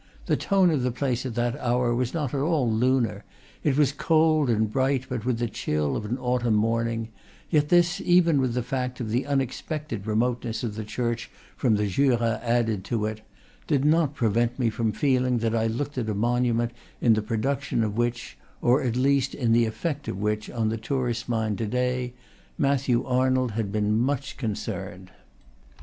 The tone of the place at that hour was not at all lunar; it was cold and bright, but with the chill of an autumn morning; yet this, even with the fact of the unexpected remoteness of the church from the Jura added to it, did not prevent me from feeling that I looked at a monument in the pro duction of which or at least in the effect of which on the tourist mind of to day Matthew Arnold had been much concerned.